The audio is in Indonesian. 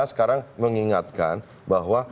sekarang mengingatkan bahwa